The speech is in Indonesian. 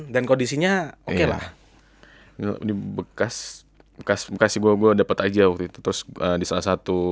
dan kondisinya oke lah ini bekas bekas bekas gua gua dapat aja waktu itu terus di salah satu